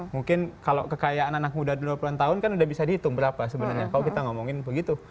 mungkin kalau kekayaan anak muda dua puluh an tahun kan udah bisa dihitung berapa sebenarnya kalau kita ngomongin begitu